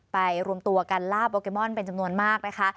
รวมตัวกันลาบโปเกมอนเป็นจำนวนมากนะคะ